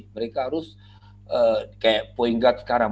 mereka harus seperti poin guard sekarang